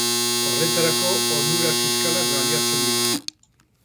Horretarako, onura fiskalak baliatzen dira.